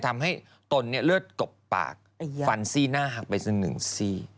ทำให้ตนนี่เลือดกบปากฝันซีน่าหักไปซึ่งหนึ่งซี